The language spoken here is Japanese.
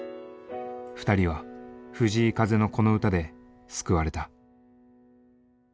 ２人は藤井風のこの歌で救われた。